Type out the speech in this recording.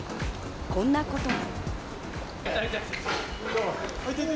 こんなことが。